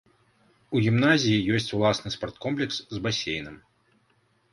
У гімназіі ёсць уласны спарткомплекс з басейнам.